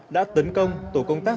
đã tấn công tổ công tác